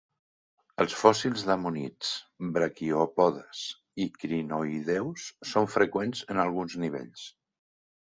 Els fòssils d'ammonits, braquiòpodes i crinoïdeus són freqüents en alguns nivells.